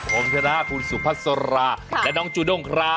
ผมชนะคุณสุพัสราและน้องจูด้งครับ